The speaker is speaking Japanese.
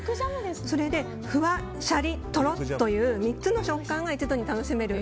それで、フワッ、シャリッとろっという３つの食感が一度に楽しめる。